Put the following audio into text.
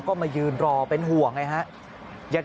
ก็มายืนรอเป็นห่วงนะครับ